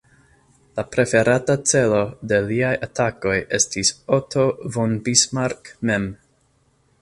La preferata celo de liaj atakoj estis Otto von Bismarck mem.